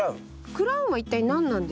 クラウンは一体何なんですか？